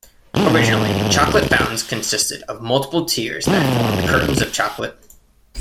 Originally, chocolate fountains consisted of multiple tiers that formed curtains of chocolate.